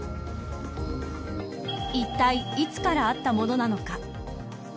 いったいいつからあったものなのか。